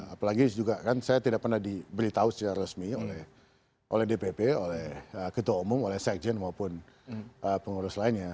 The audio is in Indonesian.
apalagi juga kan saya tidak pernah diberitahu secara resmi oleh dpp oleh ketua umum oleh sekjen maupun pengurus lainnya